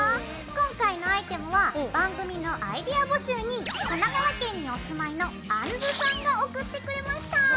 今回のアイテムは番組のアイデア募集に神奈川県にお住まいのあんずさんが送ってくれました！